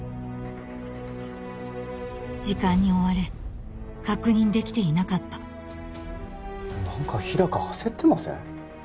時間に追われ確認できていなかった何か日高焦ってません？